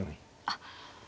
あっ。